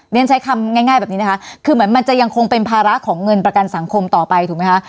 เรียนใช้คำง่ายแบบนี้นะคะคือเหมือนมันจะยังคงเป็นภาระของเงินประกันสังคมต่อไปถูกไหมคะ